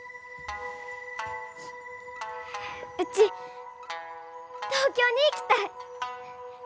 うち東京に行きたい！